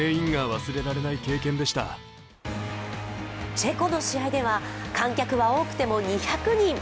チェコの試合では観客は多くても２００人。